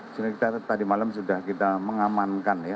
sebenarnya kita tadi malam sudah kita mengamankan ya